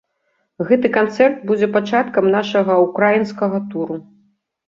Гэты канцэрт будзе пачаткам нашага ўкраінскага туру.